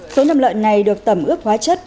số nầm lợn này được tẩm ước hóa chất